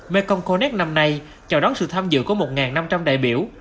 mekong connect năm nay chào đón sự tham dự của một năm trăm linh đại biểu